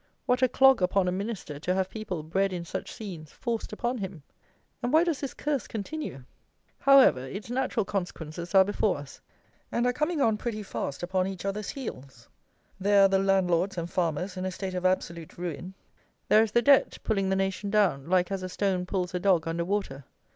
What a clog upon a Minister to have people, bred in such scenes, forced upon him! And why does this curse continue? However, its natural consequences are before us; and are coming on pretty fast upon each other's heels. There are the landlords and farmers in a state of absolute ruin: there is the Debt, pulling the nation down like as a stone pulls a dog under water.